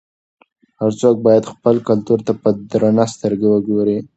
هر څوک باید خپل کلتور ته په درنه سترګه وګوري.